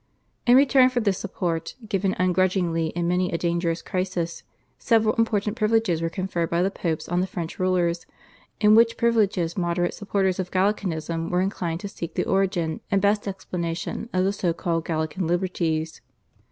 In return for this support given ungrudgingly in many a dangerous crisis, several important privileges were conferred by the Popes on the French rulers, in which privileges moderate supporters of Gallicanism were inclined to seek the origin and best explanation of the so called Gallican Liberties.